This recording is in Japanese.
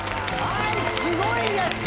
はい、すごいです！